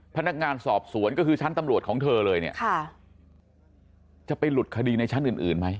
พนักงานสอบสวนก็คือชั้นตำรวจของเธอเลยจะไปหลุดคดีในชั้นอื่นมั้ย